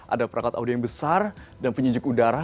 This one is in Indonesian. ada perangkat audio yang besar dan penyejuk udara